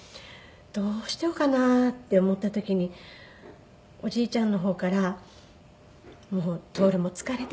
どうしようかなって思った時におじいちゃんの方から「もう徹も疲れているからいいんだよ